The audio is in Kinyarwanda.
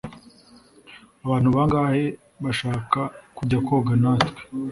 Abantu bangahe bashaka kujya koga natwe